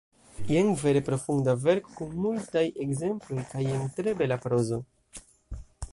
Jen vere profunda verko kun multaj ekzemploj kaj en tre bela prozo.